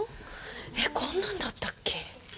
えっ、こんなんだったっけ。